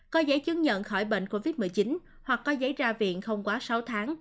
có giấy chứng nhận khỏi bệnh covid một mươi chín hoặc có giấy ra viện không quá sáu tháng